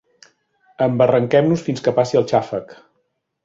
Embarraquem-nos fins que passi el xàfec!